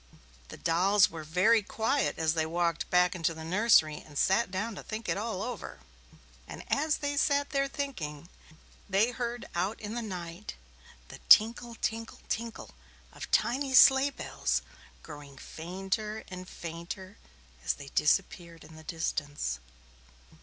The dolls were very quiet as they walked back into the nursery and sat down to think it all over, and as they sat there thinking, they heard out in the night the "tinkle, tinkle, tinkle" of tiny sleigh bells, growing fainter and fainter as they disappeared in the distance.